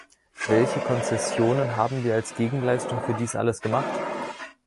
Welche Konzessionen haben wir als Gegenleistung für dies alles gemacht?